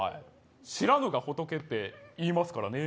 知らぬが仏って言いますからね。